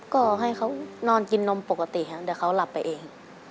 ก็ให้เขานอนกินนมปกติครับเดี๋ยวเขาหลับไปเอง